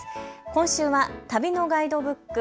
今週は旅のガイドブック